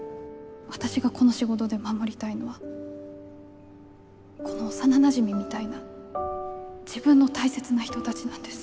私がこの仕事で守りたいのはこの幼なじみみたいな自分の大切な人たちなんです。